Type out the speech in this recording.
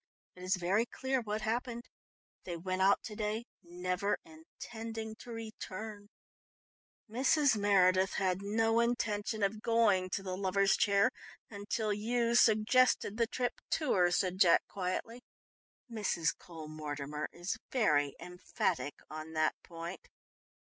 It is very clear what happened. They went out to day, never intending to return " "Mrs. Meredith had no intention of going to the Lovers' Chair until you suggested the trip to her," said Jack quietly. "Mrs. Cole Mortimer is very emphatic on that point."